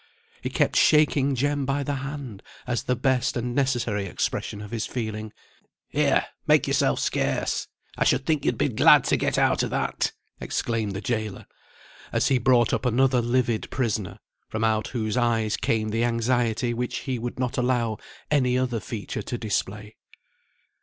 He kept shaking Jem by the hand as the best and necessary expression of his feeling. "Here! make yourself scarce! I should think you'd be glad to get out of that!" exclaimed the gaoler, as he brought up another livid prisoner, from out whose eyes came the anxiety which he would not allow any other feature to display.